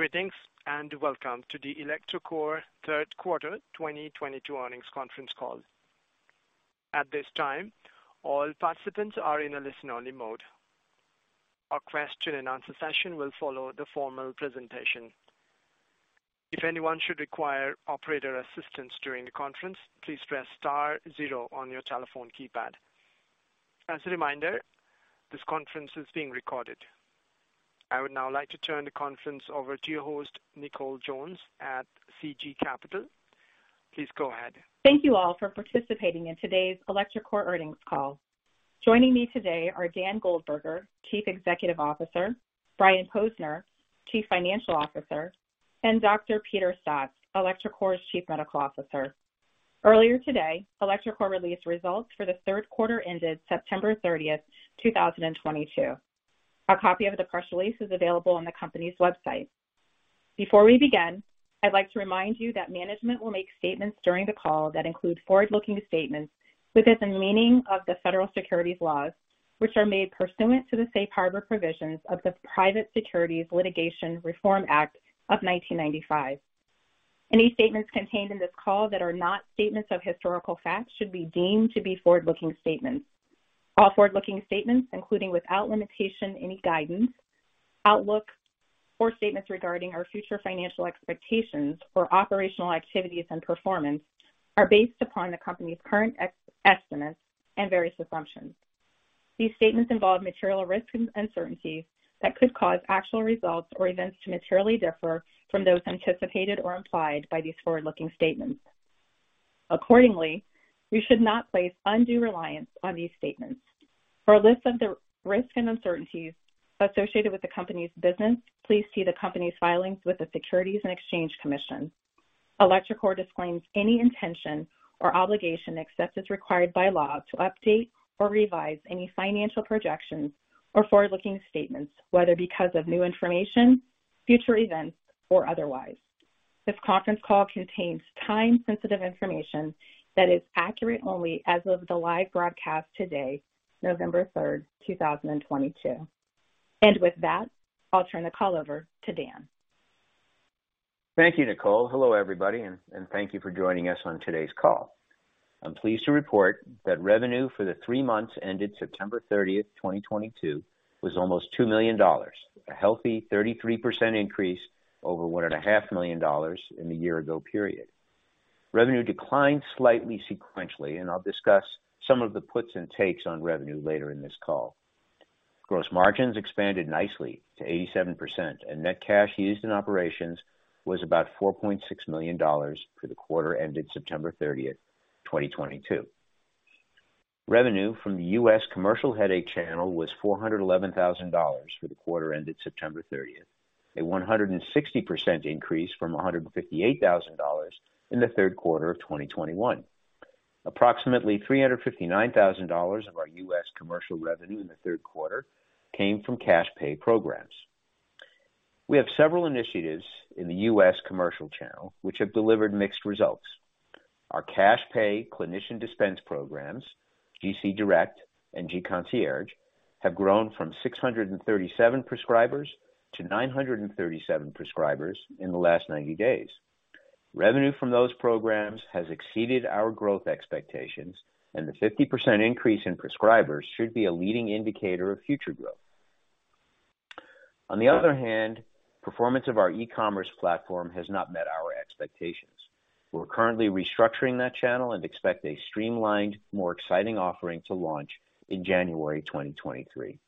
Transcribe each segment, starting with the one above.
Greetings, and welcome to the electroCore third quarter 2022 earnings conference call. At this time, all participants are in a listen-only mode. A question-and-answer session will follow the formal presentation. If anyone should require operator assistance during the conference, please press Star zero on your telephone keypad. As a reminder, this conference is being recorded. I would now like to turn the conference over to your host, Nicole Jones at CG Capital. Please go ahead. Thank you all for participating in today's electroCore earnings call. Joining me today are Dan Goldberger, Chief Executive Officer, Brian Posner, Chief Financial Officer, and Dr. Peter Staats, electroCore's Chief Medical Officer. Earlier today, electroCore released results for the third quarter-ended September 30th, 2022. A copy of the press release is available on the company's website. Before we begin, I'd like to remind you that management will make statements during the call that include forward-looking statements within the meaning of the federal securities laws, which are made pursuant to the Safe Harbor Provisions of the Private Securities Litigation Reform Act of 1995. Any statements contained in this call that are not statements of historical fact should be deemed to be forward-looking statements. All forward-looking statements, including, without limitation, any guidance, outlook, or statements regarding our future financial expectations for operational activities and performance, are based upon the company's current estimates and various assumptions. These statements involve material risks and uncertainties that could cause actual results or events to materially differ from those anticipated or implied by these forward-looking statements. Accordingly, we should not place undue reliance on these statements. For a list of the risks and uncertainties associated with the company's business, please see the company's filings with the Securities and Exchange Commission. electroCore disclaims any intention or obligation, except as required by law, to update or revise any financial projections or forward-looking statements, whether because of new information, future events, or otherwise. This conference call contains time-sensitive information that is accurate only as of the live broadcast today, November 3rd, 2022. With that, I'll turn the call over to Dan. Thank you, Nicole. Hello, everybody, and thank you for joining us on today's call. I'm pleased to report that revenue for the three months ended September 30th, 2022 was almost $2 million. A healthy 33% increase over $1.5 million in the year-ago period. Revenue declined slightly sequentially, and I'll discuss some of the puts and takes on revenue later in this call. Gross margins expanded nicely to 87%, and net cash used in operations was about $4.6 million for the quarter-ended September 30th, 2022. Revenue from the U.S. commercial headache channel was $411,000 for the quarter ended September 30th. A 160% increase from $158,000 in the third quarter of 2021. Approximately $359,000 of our U.S. commercial revenue in the third quarter came from cash pay programs. We have several initiatives in the U.S. commercial channel which have delivered mixed results. Our cash pay clinician dispense programs, gCDirect and gConcierge, have grown from 637 prescribers to 937 prescribers in the last 90 days. Revenue from those programs has exceeded our growth expectations, and the 50% increase in prescribers should be a leading indicator of future growth. On the other hand, performance of our e-commerce platform has not met our expectations. We're currently restructuring that channel and expect a streamlined, more exciting offering to launch in January 2023.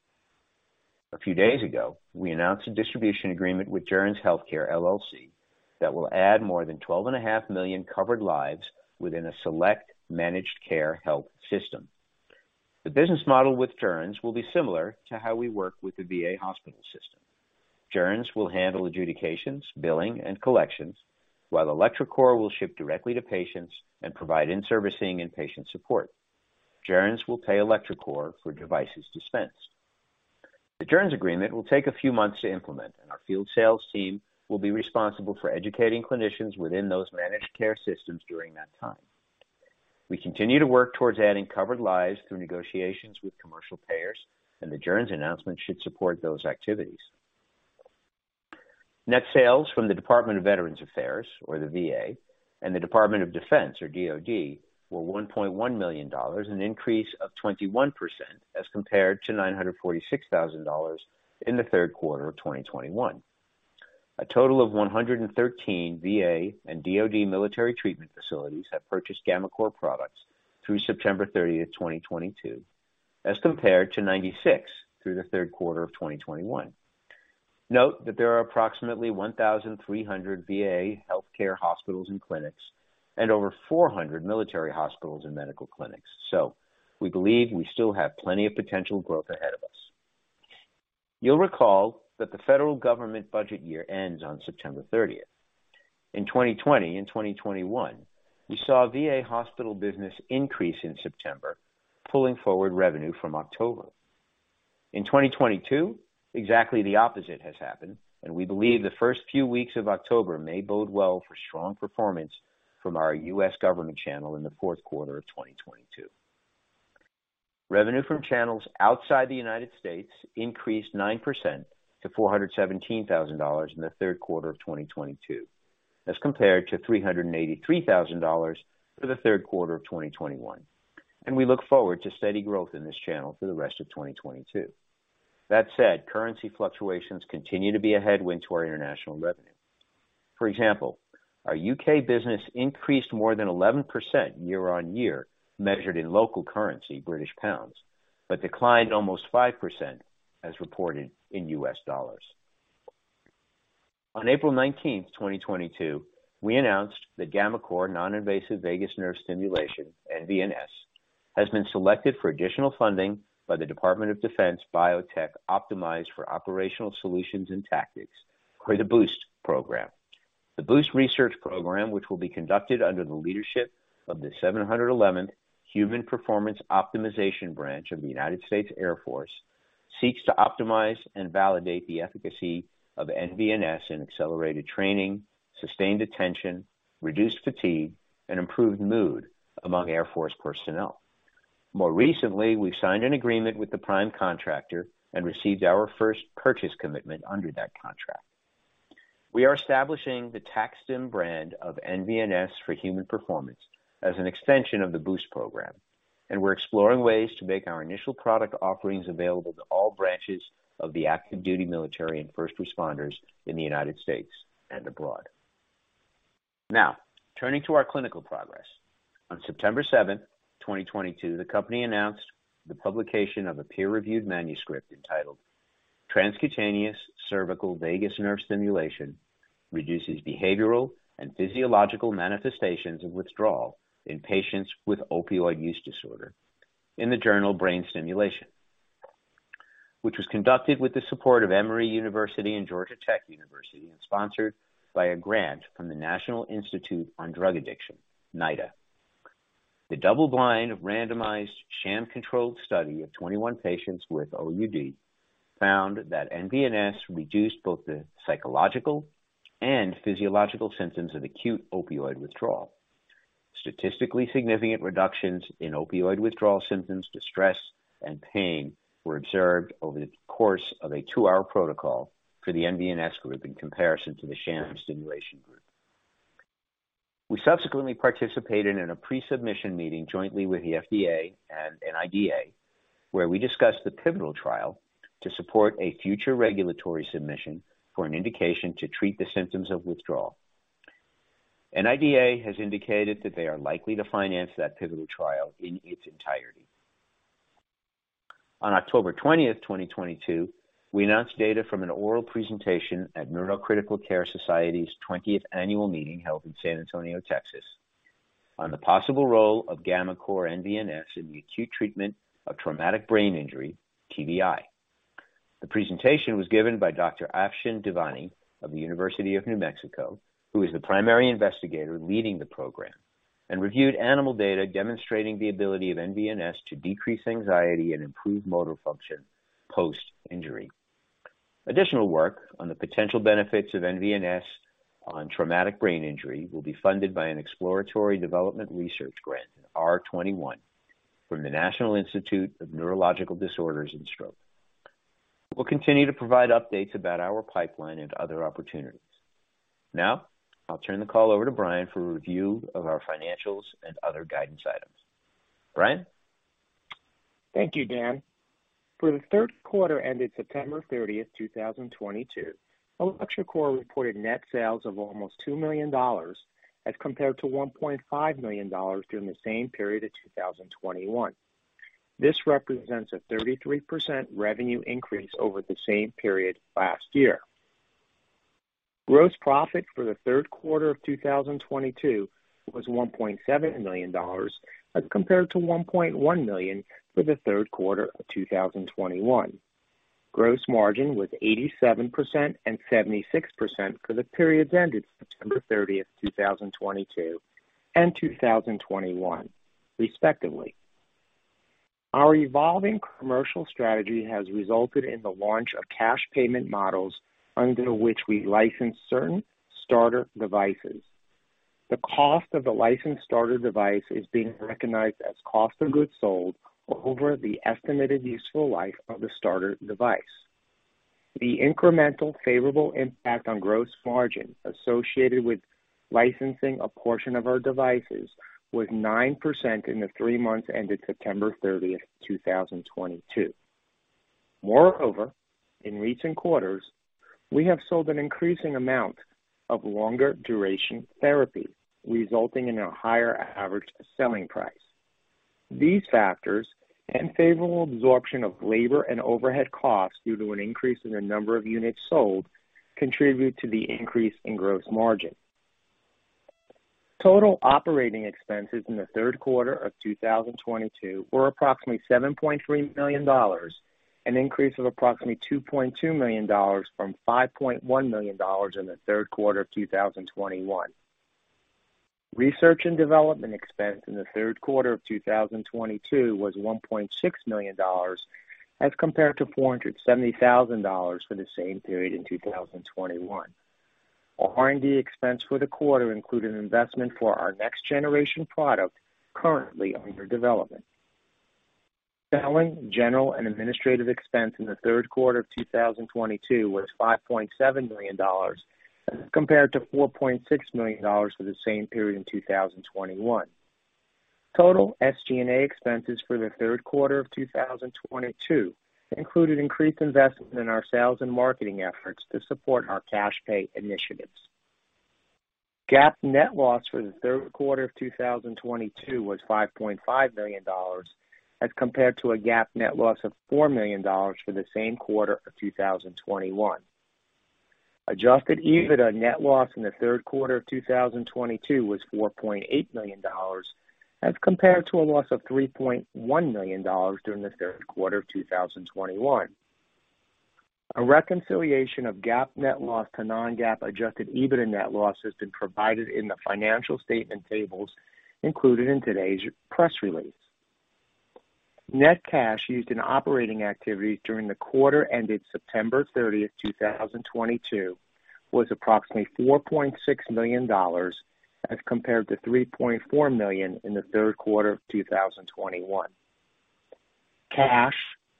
A few days ago, we announced a distribution agreement with Joerns Healthcare, LLC that will add more than 12.5 million covered lives within a select managed care health system. The business model with Joerns will be similar to how we work with the VA hospital system. Joerns will handle adjudications, billing, and collections, while electroCore will ship directly to patients and provide in-servicing and patient support. Joerns will pay electroCore for devices dispensed. The Joerns agreement will take a few months to implement, and our field sales team will be responsible for educating clinicians within those managed care systems during that time. We continue to work towards adding covered lives through negotiations with commercial payers, and the Joerns announcement should support those activities. Net sales from the Department of Veterans Affairs, or the VA, and the Department of Defense, or DoD, were $1.1 million, an increase of 21% as compared to $946,000 in the third quarter of 2021. A total of 113 VA and DoD military treatment facilities have purchased gammaCore products through September 30th, 2022, as compared to 96 through the third quarter of 2021. Note that there are approximately 1,300 VA healthcare hospitals and clinics and over 400 military hospitals and medical clinics. We believe we still have plenty of potential growth ahead of us. You'll recall that the federal government budget year ends on September 30th. In 2020 and 2021, we saw VA hospital business increase in September, pulling forward revenue from October. In 2022, exactly the opposite has happened, and we believe the first few weeks of October may bode well for strong performance from our U.S. government channel in the fourth quarter of 2022. Revenue from channels outside the United States increased 9% to $417,000 in the third quarter of 2022, as compared to $383,000 for the third quarter of 2021. We look forward to steady growth in this channel for the rest of 2022. That said, currency fluctuations continue to be a headwind to our international revenue. For example, our U.K. business increased more than 11% year-on-year, measured in local currency, British pounds, but declined almost 5% as reported in U.S. dollars. On April 19th, 2022, we announced that gammaCore non-invasive vagus nerve stimulation, nVNS, has been selected for additional funding by the Department of Defense Biotech Optimized for Operational Solutions and Tactics for the BOOST program. The BOOST research program, which will be conducted under the leadership of the 711th Human Performance Wing of the United States Air Force, seeks to optimize and validate the efficacy of nVNS in accelerated training, sustained attention, reduced fatigue, and improved mood among Air Force personnel. More recently, we signed an agreement with the prime contractor and received our first purchase commitment under that contract. We are establishing the TAC-STIM brand of nVNS for human performance as an extension of the BOOST program, and we're exploring ways to make our initial product offerings available to all branches of the active duty military and first responders in the United States and abroad. Now, turning to our clinical progress. On September 7, 2022, the company announced the publication of a peer-reviewed manuscript entitled Transcutaneous Cervical Vagus Nerve Stimulation Reduces Behavioral and Physiological Manifestations of Withdrawal in Patients with Opioid Use Disorder in the journal Brain Stimulation, which was conducted with the support of Emory University and Georgia Institute of Technology, and sponsored by a grant from the National Institute on Drug Abuse, NIDA. The double-blind, randomized, sham-controlled study of 21 patients with OUD found that nVNS reduced both the psychological and physiological symptoms of acute opioid withdrawal. Statistically significant reductions in opioid withdrawal symptoms, distress, and pain were observed over the course of a two-hour protocol for the nVNS group in comparison to the sham stimulation group. We subsequently participated in a pre-submission meeting jointly with the FDA and NIDA, where we discussed the pivotal trial to support a future regulatory submission for an indication to treat the symptoms of withdrawal. NIDA has indicated that they are likely to finance that pivotal trial in its entirety. On October 20th, 2022, we announced data from an oral presentation at Neurocritical Care Society's 20th Annual Meeting, held in San Antonio, Texas, on the possible role of gammaCore nVNS in the acute treatment of traumatic brain injury, TBI. The presentation was given by Dr. Afshin Divani of the University of New Mexico, who is the primary investigator leading the program and reviewed animal data demonstrating the ability of nVNS to decrease anxiety and improve motor function post-injury. Additional work on the potential benefits of nVNS on traumatic brain injury will be funded by an exploratory development research grant, R21, from the National Institute of Neurological Disorders and Stroke. We'll continue to provide updates about our pipeline and other opportunities. Now I'll turn the call over to Brian for a review of our financials and other guidance items. Brian? Thank you. Dan. For the third quarter ended September 30th, 2022, electroCore reported net sales of almost $2 million as compared to $1.5 million during the same period of 2021. This represents a 33% revenue increase over the same period last year. Gross profit for the third quarter of 2022 was $1.7 million as compared to $1.1 million for the third quarter of 2021. Gross margin was 87% and 76% for the periods ended September 30th, 2022 and 2021, respectively. Our evolving commercial strategy has resulted in the launch of cash payment models under which we license certain starter devices. The cost of the licensed starter device is being recognized as cost of goods sold over the estimated useful life of the starter device. The incremental favorable impact on gross margin associated with licensing a portion of our devices was 9% in the three months ended September 30th, 2022. Moreover, in recent quarters, we have sold an increasing amount of longer duration therapy, resulting in a higher average selling price. These factors and favorable absorption of labor and overhead costs due to an increase in the number of units sold contribute to the increase in gross margin. Total operating expenses in the third quarter of 2022 were approximately $7.3 million, an increase of approximately $2.2 million from $5.1 million in the third quarter of 2021. Research and Development expense in the third quarter of 2022 was $1.6 million as compared to $470 thousand for the same period in 2021. Our R&D expense for the quarter included investment for our next generation product currently under development. Selling, general, and administrative expense in the third quarter of 2022 was $5.7 million as compared to $4.6 million for the same period in 2021. Total SG&A expenses for the third quarter of 2022 included increased investment in our Sales and Marketing efforts to support our cash pay initiatives. GAAP net loss for the third quarter of 2022 was $5.5 million as compared to a GAAP net loss of $4 million for the same quarter of 2021. Adjusted EBITDA net loss in the third quarter of 2022 was $4.8 million as compared to a loss of $3.1 million during the third quarter of 2021. A reconciliation of GAAP net loss to non-GAAP adjusted EBITDA net loss has been provided in the financial statement tables included in today's press release. Net cash used in operating activities during the quarter ended September 30th, 2022 was approximately $4.6 million as compared to $3.4 million in the third quarter of 2021. Cash,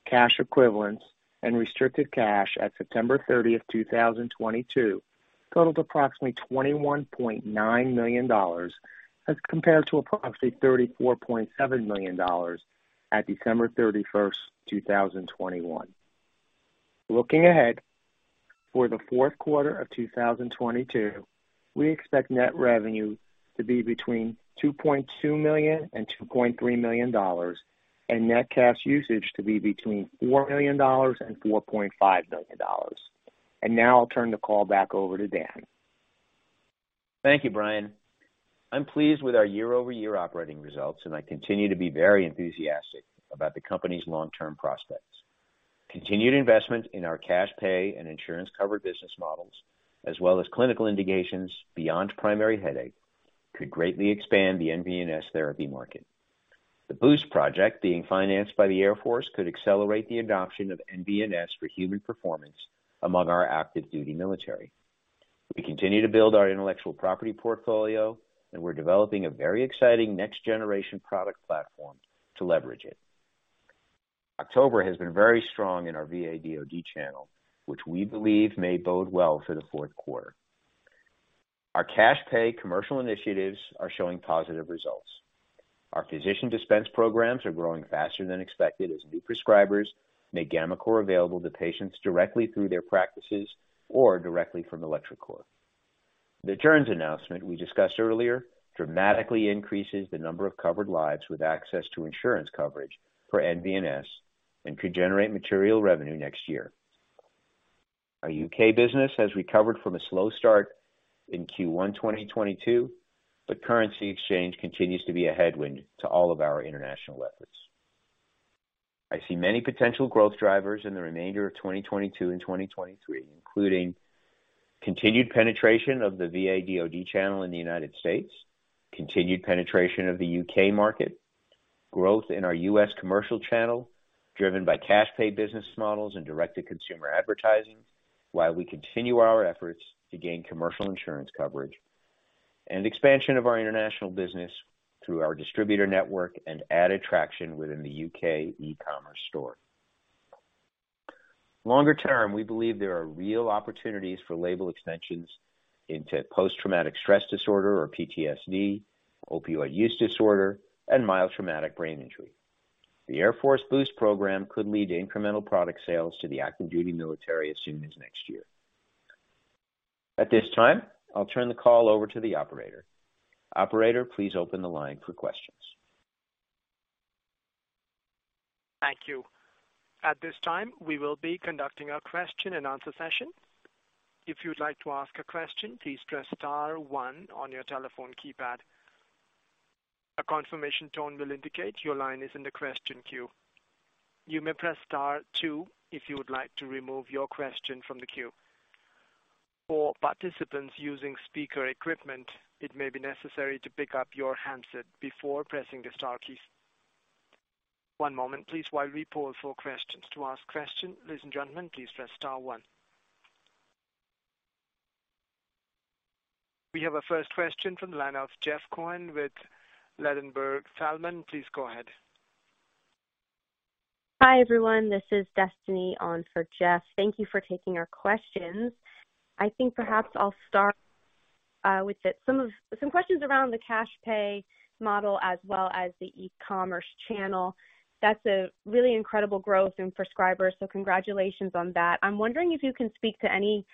cash equivalents, and restricted cash at September 30th, 2022 totaled approximately $21.9 million as compared to approximately $34.7 million at December 31st, 2021. Looking ahead, for the fourth quarter of 2022, we expect net revenue to be between $2.2 million and $2.3 million and net cash usage to be between $4 million and $4.5 million. Now I'll turn the call back over to Dan. Thank you, Brian. I'm pleased with our year-over-year operating results, and I continue to be very enthusiastic about the company's long-term prospects. Continued investment in our cash pay and insurance-covered business models, as well as clinical indications beyond primary headache, could greatly expand the nVNS therapy market. The BOOST project being financed by the Air Force could accelerate the adoption of nVNS for human performance among our active duty military. We continue to build our intellectual property portfolio, and we're developing a very exciting next generation product platform to leverage it. October has been very strong in our VA/DoD channel, which we believe may bode well for the fourth quarter. Our cash pay commercial initiatives are showing positive results. Our physician dispense programs are growing faster than expected as new prescribers make gammaCore available to patients directly through their practices or directly from electroCore. The TRICARE announcement we discussed earlier dramatically increases the number of covered lives with access to insurance coverage for nVNS and could generate material revenue next year. Our U.K. business has recovered from a slow start in Q1 2022, but currency exchange continues to be a headwind to all of our international efforts. I see many potential growth drivers in the remainder of 2022 and 2023, including continued penetration of the VA/DoD channel in the United States, continued penetration of the U.K. market, growth in our U.S. commercial channel driven by cash pay business models and direct-to-consumer advertising while we continue our efforts to gain commercial insurance coverage, and expansion of our International business through our distributor network and added traction within the U.K. e-commerce store. Longer-term, we believe there are real opportunities for label extensions into post-traumatic stress disorder or PTSD, opioid use disorder, and mild traumatic brain injury. The Air Force BOOST program could lead to incremental product sales to the active duty military as soon as next year. At this time, I'll turn the call over to the operator. Operator, please open the line for questions. Thank you. At this time, we will be conducting a question-and-answer session. If you'd like to ask a question, please press Star one on your telephone keypad. A confirmation tone will indicate your line is in the question queue. You may press Star two if you would like to remove your question from the queue. For participants using speaker equipment, it may be necessary to pick up your handset before pressing the star keys. One moment please while we poll for questions. To ask a question, ladies and gentlemen, please press Star one. We have our first question from the line of Jeff Cohen with Ladenburg Thalmann. Please go ahead. Hi, everyone. This is Destiny on for Jeff. Thank you for taking our questions. I think perhaps I'll start with some questions around the cash pay model as well as the e-commerce channel. That's a really incredible growth in prescribers. Congratulations on that. I'm wondering if you can speak to any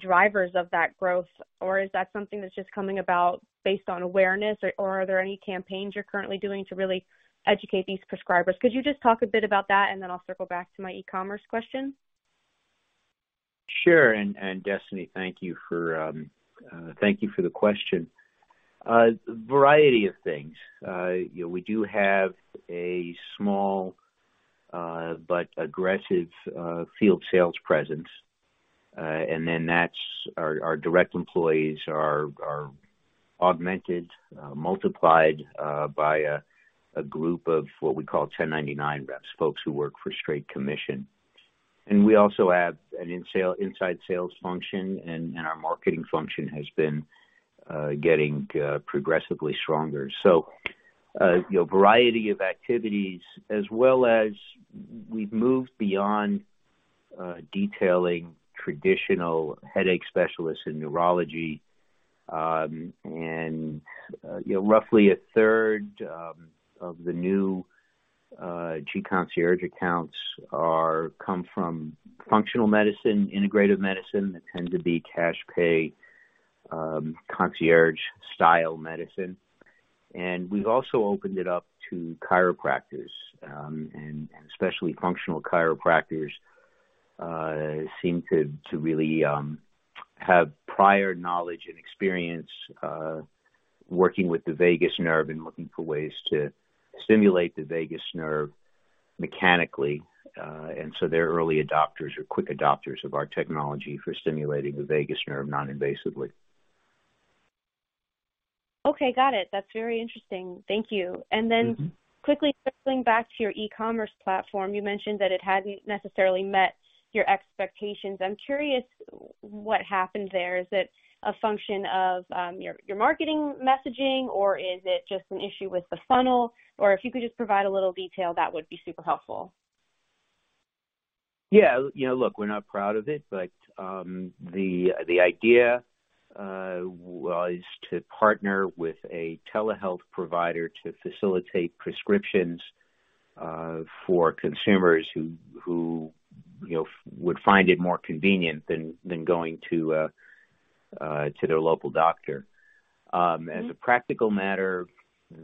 drivers of that growth or is that something that's just coming about based on awareness or are there any campaigns you're currently doing to really educate these prescribers? Could you just talk a bit about that, and then I'll circle back to my e-commerce question? Sure. Destiny, thank you for the question. Variety of things. You know, we do have a small but aggressive field sales presence. Then that's our direct employees are. Augmented, multiplied, by a group of what we call 1099 reps, folks who work for straight commission. We also have an inside sales function, and our marketing function has been getting progressively stronger. You know, variety of activities as well as we've moved beyond detailing traditional headache specialists in neurology, and you know, roughly a third of the new gConcierge accounts come from functional medicine, integrative medicine that tend to be cash pay, concierge style medicine. We've also opened it up to chiropractors, and especially functional chiropractors seem to really have prior knowledge and experience working with the vagus nerve and looking for ways to stimulate the vagus nerve mechanically, and so they're early adopters or quick adopters of our technology for stimulating the vagus nerve noninvasively. Okay, got it. That's very interesting. Thank you. Mm-hmm. Quickly circling back to your e-commerce platform. You mentioned that it hadn't necessarily met your expectations. I'm curious what happened there. Is it a function of your marketing messaging, or is it just an issue with the funnel? Or if you could just provide a little detail, that would be super helpful. Yeah. You know, look, we're not proud of it, but the idea was to partner with a telehealth provider to facilitate prescriptions for consumers who you know would find it more convenient than going to their local doctor. As a practical matter,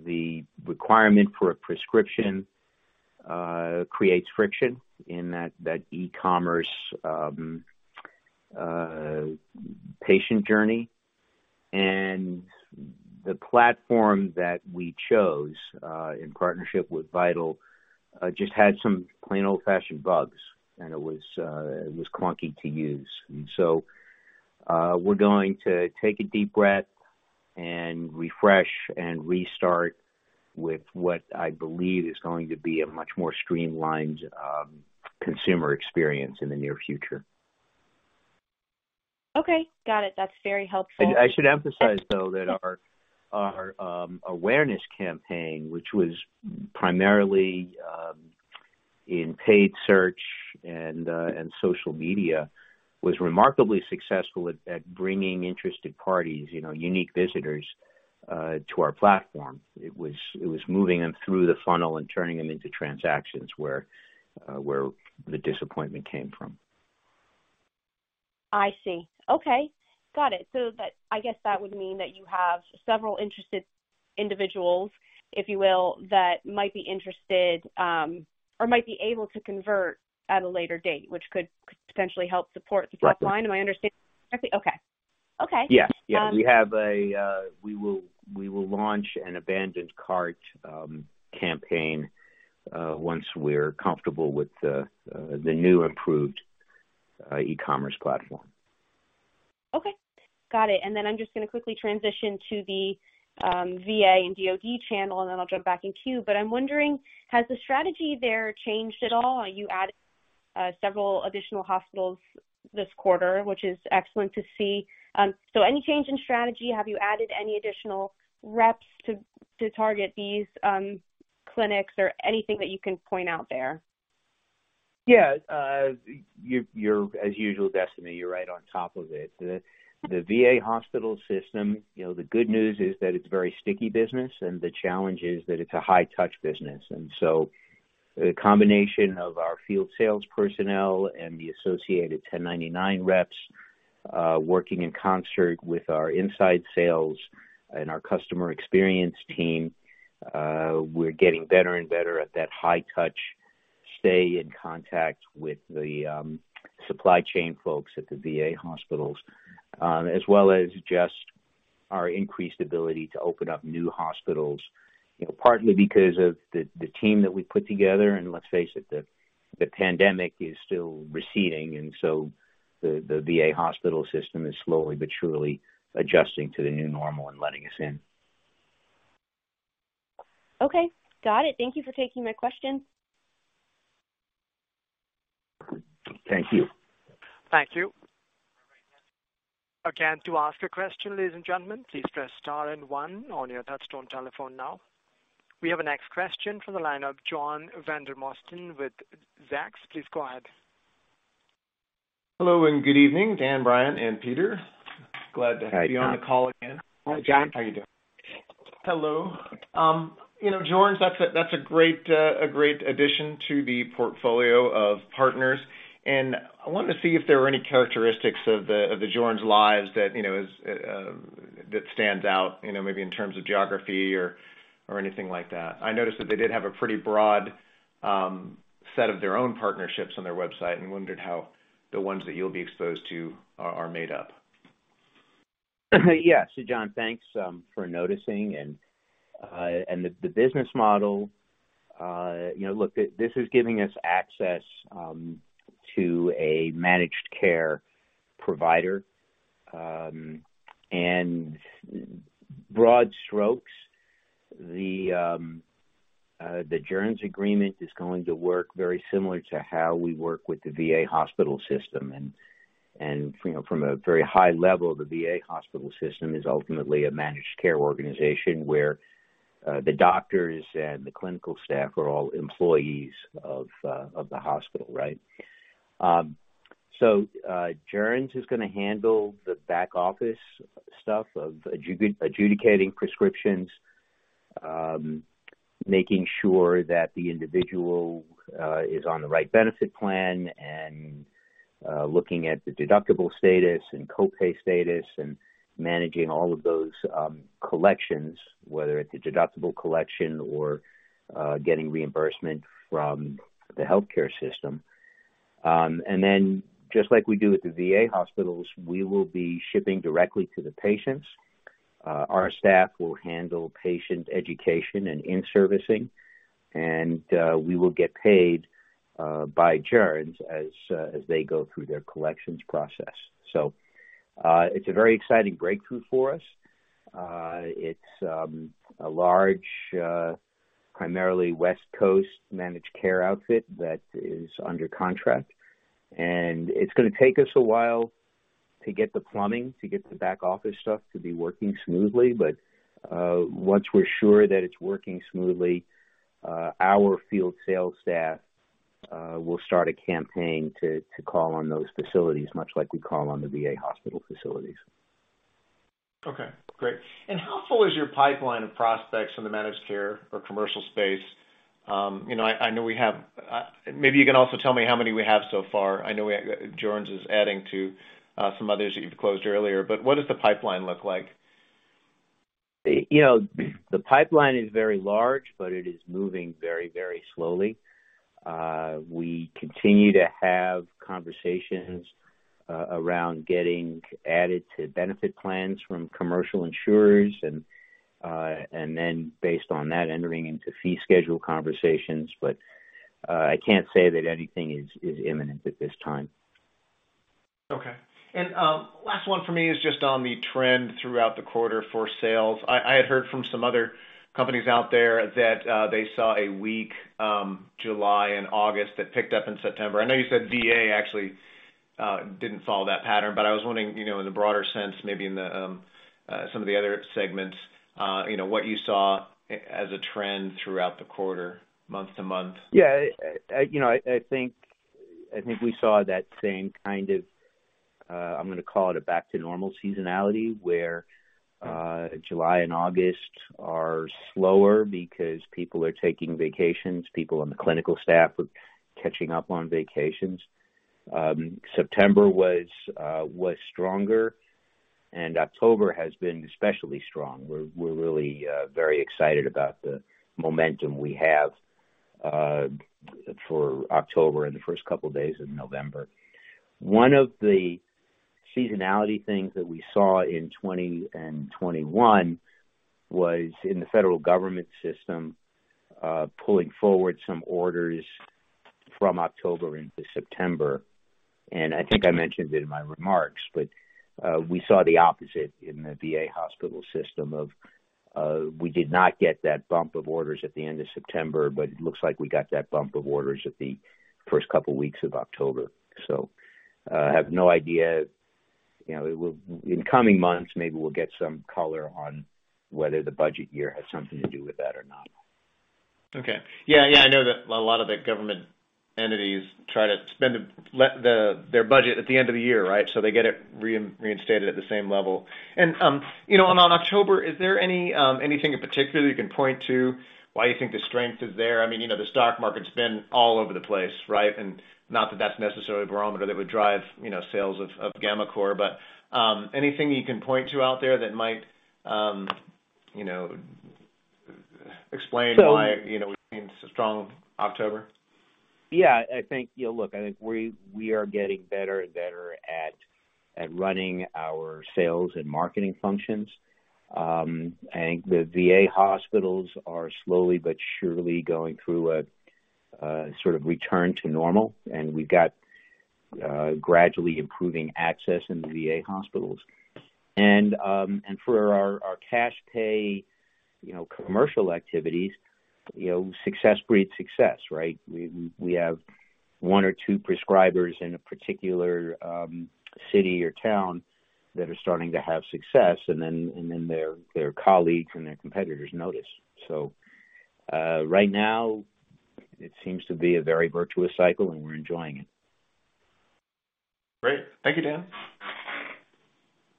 the requirement for a prescription creates friction in that e-commerce patient journey. The platform that we chose in partnership with Vital just had some plain old-fashioned bugs, and it was clunky to use. We're going to take a deep breath and refresh and restart with what I believe is going to be a much more streamlined consumer experience in the near future. Okay, got it. That's very helpful. I should emphasize, though, that our awareness campaign, which was primarily in paid search and social media, was remarkably successful at bringing interested parties, you know, unique visitors to our platform. It was moving them through the funnel and turning them into transactions where the disappointment came from. I see. Okay, got it. I guess that would mean that you have several interested individuals, if you will, that might be interested, or might be able to convert at a later date, which could potentially help support the top line. Am I understanding correctly? Okay. Okay. Yes. We will launch an abandoned cart campaign once we're comfortable with the new improved e-commerce platform. Okay, got it. I'm just gonna quickly transition to the VA/DoD channel, and then I'll jump back into you. I'm wondering, has the strategy there changed at all? You added several additional hospitals this quarter, which is excellent to see. Any change in strategy? Have you added any additional reps to target these clinics or anything that you can point out there? Yeah. You're as usual, Destiny, you're right on top of it. The VA hospital system, you know, the good news is that it's a very sticky business, and the challenge is that it's a high touch business. The combination of our field sales personnel and the associated 1099 reps, working in concert with our inside sales and our customer experience team, we're getting better and better at that high touch stay in contact with the supply chain folks at the VA hospitals, as well as just our increased ability to open up new hospitals, you know, partly because of the team that we put together. Let's face it, the pandemic is still receding. The VA hospital system is slowly but surely adjusting to the new normal and letting us in. Okay, got it. Thank you for taking my question. Thank you. Thank you. Again, to ask a question, ladies and gentlemen, please press Star and one on your touchtone telephone now. We have a next question from the line of John Vandermosten with Zacks. Please go ahead. Hello and good evening, Dan, Brian, and Peter. Glad to be on the call again. Hi, John. Hi, John. How are you doing? Hello. You know, Joerns, that's a great addition to the portfolio of partners. I wanted to see if there were any characteristics of the Joerns lines that stands out, you know, maybe in terms of geography or anything like that. I noticed that they did have a pretty broad set of their own partnerships on their website and wondered how the ones that you'll be exposed to are made up. Yeah. John, thanks for noticing. The business model, you know, look, this is giving us access to a managed care provider, in broad strokes. The Joerns agreement is going to work very similar to how we work with the VA hospital system. You know, from a very high level, the VA hospital system is ultimately a managed care organization where the doctors and the clinical staff are all employees of the hospital, right? Joerns is going to handle the back-office stuff of adjudicating prescriptions, making sure that the individual is on the right benefit plan and looking at the deductible status and co-pay status and managing all of those collections, whether it's a deductible collection or getting reimbursement from the healthcare system. Just like we do with the VA hospitals, we will be shipping directly to the patients. Our staff will handle patient education and in-servicing, and we will get paid by Joerns as they go through their collections process. It's a very exciting breakthrough for us. It's a large primarily West Coast managed care outfit that is under contract, and it's going to take us a while to get the plumbing, to get the back-office stuff to be working smoothly. Once we're sure that it's working smoothly, our field sales staff will start a campaign to call on those facilities, much like we call on the VA hospital facilities. Okay, great. How full is your pipeline of prospects in the managed care or commercial space? You know, maybe you can also tell me how many we have so far. I know we have Joerns adding to some others that you've closed earlier, but what does the pipeline look like? You know, the pipeline is very large, but it is moving very, very slowly. We continue to have conversations around getting added to benefit plans from commercial insurers and then based on that, entering into fee schedule conversations. I can't say that anything is imminent at this time. Okay. Last one for me is just on the trend throughout the quarter for sales. I had heard from some other companies out there that they saw a weak July and August that picked up in September. I know you said VA actually didn't follow that pattern, but I was wondering, you know, in the broader sense, maybe some of the other segments, you know, what you saw as a trend throughout the quarter, month to month. Yeah. You know, I think we saw that same kind of, I'm gonna call it a back to normal seasonality, where July and August are slower because people are taking vacations. People on the clinical staff are catching up on vacations. September was stronger, and October has been especially strong. We're really very excited about the momentum we have for October and the first couple of days of November. One of the seasonality things that we saw in 2020 and 2021 was in the federal government system pulling forward some orders from October into September. I think I mentioned it in my remarks, but we saw the opposite in the VA hospital system of we did not get that bump of orders at the end of September, but it looks like we got that bump of orders at the first couple of weeks of October. So I have no idea. You know, we'll, in coming months, maybe we'll get some color on whether the budget year has something to do with that or not. Okay. Yeah, yeah, I know that a lot of the government entities try to spend their budget at the end of the year, right? They get it reinstated at the same level. You know, on October, is there anything in particular you can point to why you think the strength is there? I mean, you know, the stock market's been all over the place, right? Not that that's necessarily a barometer that would drive, you know, sales of gammaCore. Anything you can point to out there that might, you know, explain why. So You know, we've seen strong October. Yeah, I think, you know, look, I think we are getting better and better at running our Sales and Marketing functions. I think the VA hospitals are slowly but surely going through a sort of return to normal, and we've got gradually improving access in the VA hospitals. For our cash pay, you know, commercial activities, you know, success breeds success, right? We have one or two prescribers in a particular city or town that are starting to have success, and then their colleagues and their competitors notice. Right now it seems to be a very virtuous cycle, and we're enjoying it. Great. Thank you, Dan.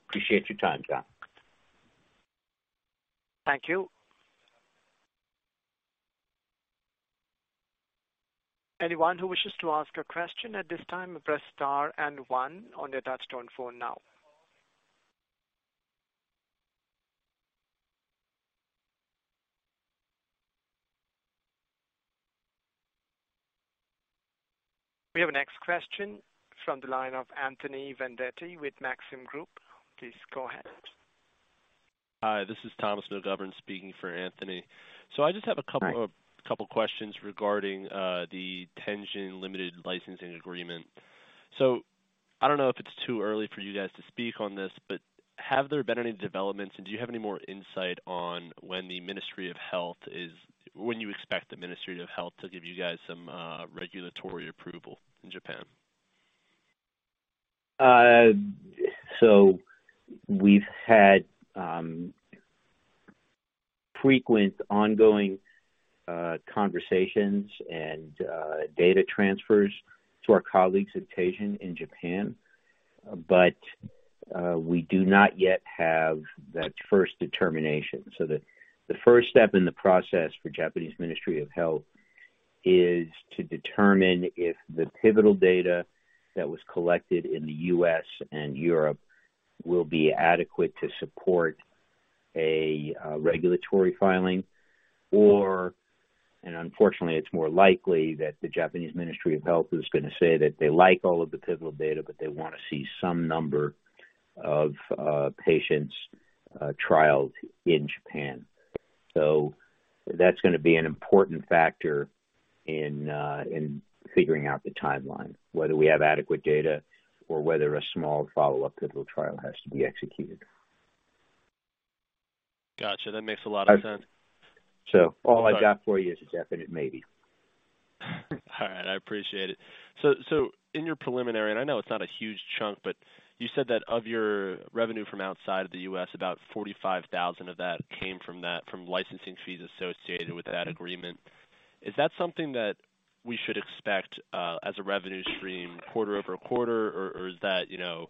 Appreciate your time, John. Thank you. Anyone who wishes to ask a question at this time, press Star and one on your touchtone phone now. We have a next question from the line of Anthony Vendetti with Maxim Group. Please go ahead. Hi, this is Thomas McGovern speaking for Anthony. I just have a couple of Right. A couple questions regarding the Teijin Limited licensing agreement. I don't know if it's too early for you guys to speak on this, but have there been any developments, and do you have any more insight on when you expect the Ministry of Health to give you guys some regulatory approval in Japan? We've had frequent ongoing conversations and data transfers to our colleagues at Teijin in Japan, but we do not yet have that first determination. The first step in the process for Japanese Ministry of Health is to determine if the pivotal data that was collected in the U.S. and Europe will be adequate to support a regulatory filing or, unfortunately it's more likely that the Japanese Ministry of Health is gonna say that they like all of the pivotal data, but they wanna see some number of patients trialed in Japan. That's gonna be an important factor in figuring out the timeline, whether we have adequate data or whether a small follow-up pivotal trial has to be executed. Gotcha. That makes a lot of sense. All I've got for you is a definite maybe. All right. I appreciate it. In your preliminary, and I know it's not a huge chunk, but you said that of your revenue from outside of the U.S., about $45,000 of that came from that, from licensing fees associated with that agreement. Is that something that we should expect as a revenue stream quarter-over-quarter? Is that, you know,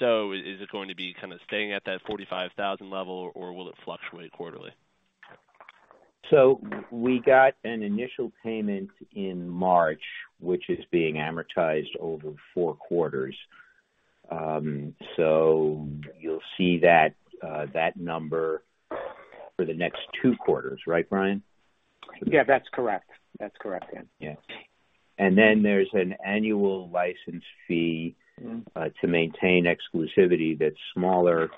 going to be kind of staying at that $45,000 level or will it fluctuate quarterly? We got an initial payment in March, which is being amortized over four quarters. You'll see that number for the next two quarters, right, Brian? Yeah, that's correct. That's correct, Dan. Yeah. Then there's an annual license fee to maintain exclusivity that's smaller,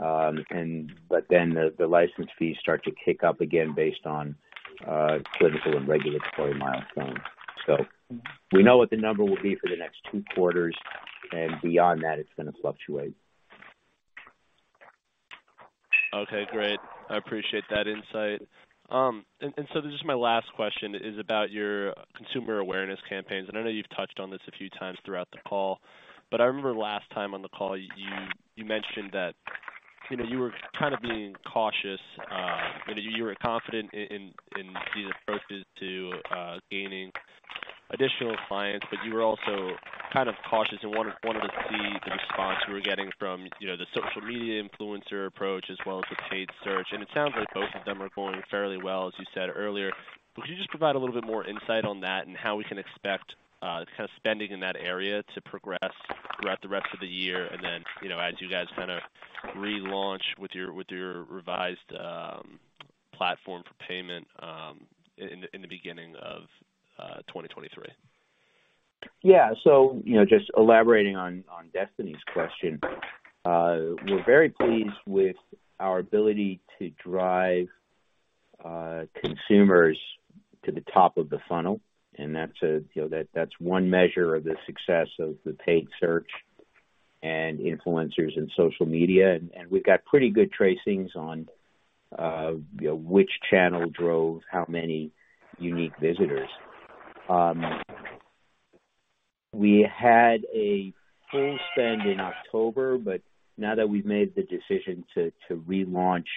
then the license fees start to kick up again based on clinical and regulatory milestones. We know what the number will be for the next two quarters, and beyond that it's gonna fluctuate. Okay, great. I appreciate that insight. So this is my last question is about your consumer awareness campaigns, and I know you've touched on this a few times throughout the call. I remember last time on the call you mentioned that, you know, you were kind of being cautious, and you were confident in these approaches to gaining additional clients, but you were also kind of cautious and wanted to see the response you were getting from, you know, the social media influencer approach as well as the paid search. It sounds like both of them are going fairly well, as you said earlier. Could you just provide a little bit more insight on that and how we can expect kind of spending in that area to progress throughout the rest of the year? You know, as you guys kind of relaunch with your revised platform for payment in the beginning of 2023. Yeah. You know, just elaborating on Destiny's question. We're very pleased with our ability to drive consumers to the top of the funnel, and that's one measure of the success of the paid search and influencers in social media. And we've got pretty good tracings on, you know, which channel drove how many unique visitors. We had a full spend in October, but now that we've made the decision to relaunch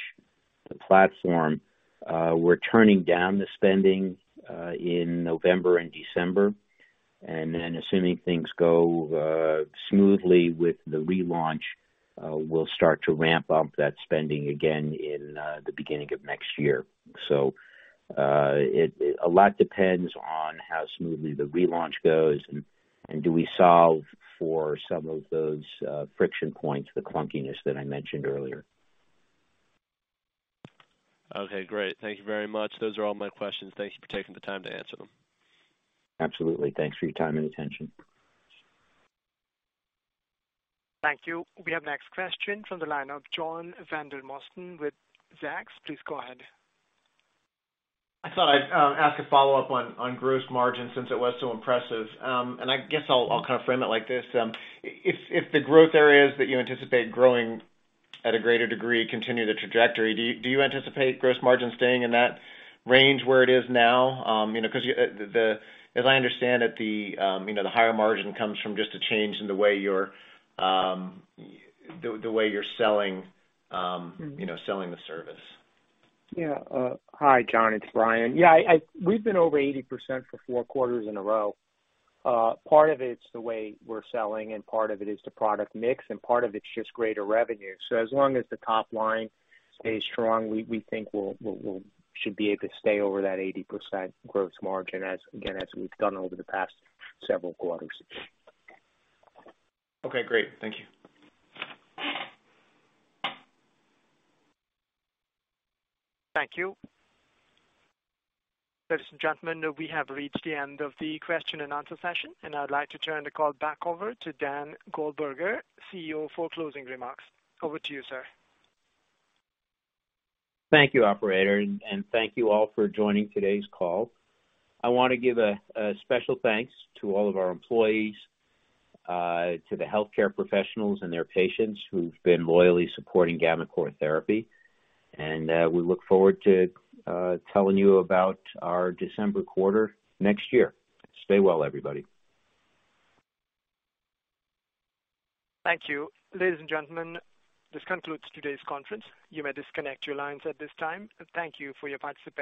the platform, we're turning down the spending in November and December. Then assuming things go smoothly with the relaunch, we'll start to ramp up that spending again in the beginning of next year. It A lot depends on how smoothly the relaunch goes and do we solve for some of those friction points, the clunkiness that I mentioned earlier. Okay, great. Thank you very much. Those are all my questions. Thank you for taking the time to answer them. Absolutely. Thanks for your time and attention. Thank you. We have next question from the line of John Vandermosten with Zacks. Please go ahead. I thought I'd ask a follow-up on gross margin since it was so impressive. I guess I'll kind of frame it like this. If the growth areas that you anticipate growing at a greater degree continue the trajectory, do you anticipate gross margin staying in that range where it is now? You know, 'cause as I understand it, the higher margin comes from just a change in the way you're selling, you know, selling the service. Hi, John, it's Brian. We've been over 80% for 4 quarters in a row. Part of it's the way we're selling, and part of it is the product mix, and part of it's just greater revenue. As long as the top line stays strong, we think we should be able to stay over that 80% gross margin, again, as we've done over the past several quarters. Okay, great. Thank you. Thank you. Ladies and gentlemen, we have reached the end of the question-and-answer session, and I'd like to turn the call back over to Dan Goldberger, CEO, for closing remarks. Over to you, sir. Thank you, operator, and thank you all for joining today's call. I wanna give a special thanks to all of our employees, to the healthcare professionals and their patients who've been loyally supporting gammaCore therapy. We look forward to telling you about our December quarter next year. Stay well, everybody. Thank you. Ladies and gentlemen, this concludes today's conference. You may disconnect your lines at this time. Thank you for your participation.